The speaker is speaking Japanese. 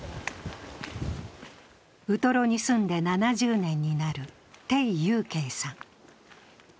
ウトロに住んで７０年になる鄭佑ケイさん。